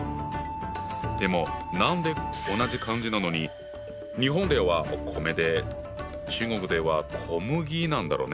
でも何で同じ漢字なのに日本ではお米で中国では小麦なんだろね？